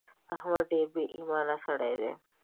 احمد ډېر بې ايمانه سړی دی.